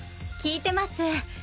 聞いてます。